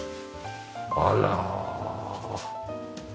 あら。